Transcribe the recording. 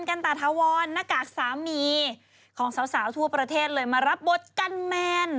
กันตาถาวรหน้ากากสามีของสาวทั่วประเทศเลยมารับบทกันแมน